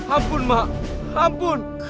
ampun mak ampun